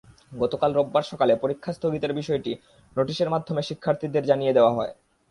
গতকাল রোববার সকালে পরীক্ষা স্থগিতের বিষয়টি নোটিশের মাধ্যমে শিক্ষার্থীদের জানিয়ে দেওয়া হয়।